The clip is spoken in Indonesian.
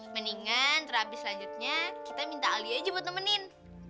mendingan terapi selanjutnya kita minta ali aja buat nemenin